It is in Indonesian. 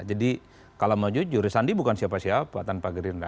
kalau mau jujur sandi bukan siapa siapa tanpa gerindra